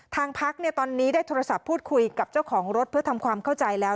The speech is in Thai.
ทางพักตอนนี้ได้โทรศัพท์พูดคุยกับเจ้าของรถเพื่อทำความเข้าใจแล้ว